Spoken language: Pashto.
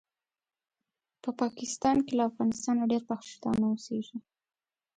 په پاکستان کې له افغانستانه ډېر پښتانه اوسیږي